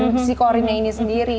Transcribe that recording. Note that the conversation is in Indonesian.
psikologinnya ini sendiri